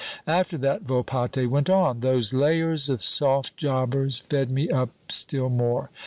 "After that," Volpatte went on, "those layers of soft jobbers fed me up still more.